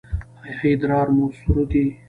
ایا ادرار مو سور دی؟